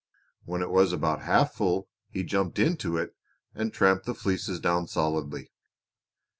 When it was about half full he jumped into it and tramped the fleeces down solidly.